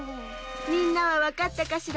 みんなはわかったかしら？